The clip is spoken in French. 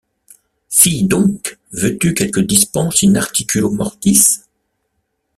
Fy doncques!... — Veux-tu quelque dispense in articulo mortis?...